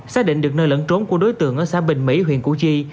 xác định được nơi lẫn trốn của đối tượng ở xã bình mỹ huyện củ chi